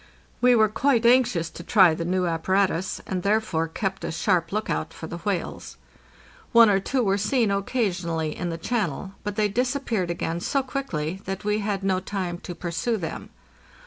We were quite anxious to try the new apparatus, and there fore kept a sharp lookout for the whales. One or two were seen occasionally in the channel, but they disappeared again so quickly that we had no time to pursue them.